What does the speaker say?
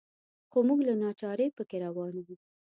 خو موږ له ناچارۍ په کې روان وو.